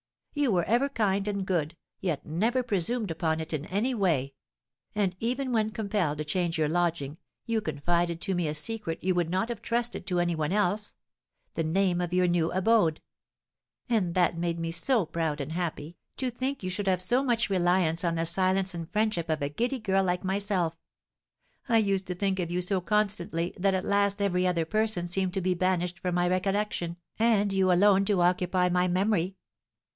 You were ever kind and good, yet never presumed upon it in any way; and even when compelled to change your lodging, you confided to me a secret you would not have trusted to any one else, the name of your new abode; and that made me so proud and happy, to think you should have so much reliance on the silence and friendship of a giddy girl like myself. I used to think of you so constantly that at last every other person seemed to be banished from my recollection, and you alone to occupy my memory.